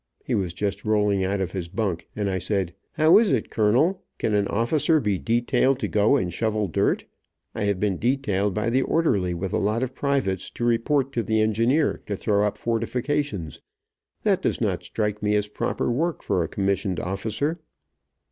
He was just rolling out of his bunk, and I said: "How is it, Colonel? Can an officer be detailed to go and shovel dirt? I have been detailed by the orderly, with a lot of privates, to report to the engineer, to throw up fortifications. That does not strike me as proper work for a commissioned officer."